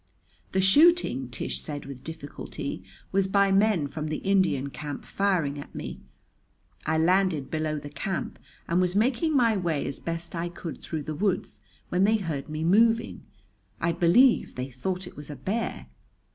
"The shooting," Tish said with difficulty, "was by men from the Indian camp firing at me. I landed below the camp, and was making my way as best I could through the woods when they heard me moving. I believe they thought it was a bear."